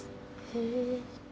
へえ！